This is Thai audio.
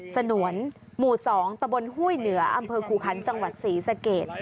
สนวนหมู่๒ตะบนห้วยเหนืออำเภอคูคันจังหวัดศรีสเกต